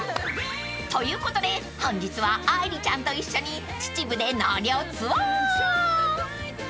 ［ということで本日は愛梨ちゃんと一緒に秩父で納涼ツアー］